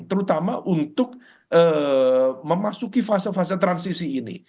terutama untuk memasuki fase fase transisi ini